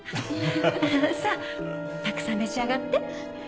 さあたくさん召し上がって。